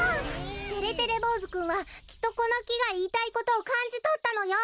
てれてれぼうずくんはきっとこのきがいいたいことをかんじとったのよ！